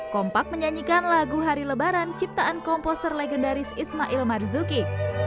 kompak menyanyikan lagu hari lebaran ciptaan komposer legendaris ismail marzuki